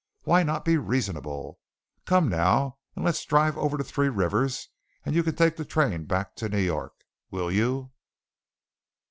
Why not be reasonable? Come now and let's drive over to Three Rivers and you take the train back to New York, will you?"